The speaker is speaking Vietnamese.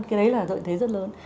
cái đấy là lợi thế rất lớn